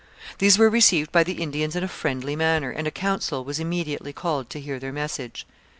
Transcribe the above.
These were received by the Indians in a friendly manner, and a council was immediately called to hear their message.